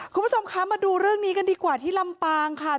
คุณผู้ชมคะมาดูเรื่องนี้กันดีกว่าที่ลำปางค่ะ